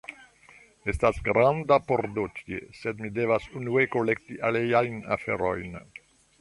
Estas granda pordo tie, sed mi devas unue kolekti aliajn aferojn.